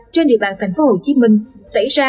trên địa bàn tp hcm xảy ra